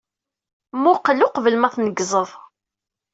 Mmuqqel uqbel ma tneggzeḍ.